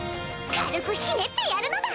軽くひねってやるのだ！